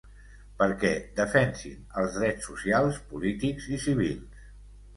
Perquè defensin els drets socials, polítics i civils.